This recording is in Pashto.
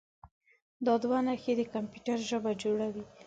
دا دوه نښې د کمپیوټر ژبه جوړوي.